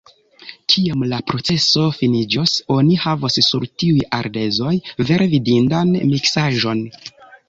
Kiam la proceso finiĝos, oni havos sur tiuj ardezoj vere vidindan miksaĵon!